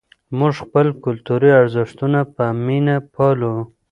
موږ خپل کلتوري ارزښتونه په مینه پالو.